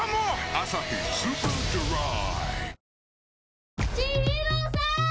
「アサヒスーパードライ」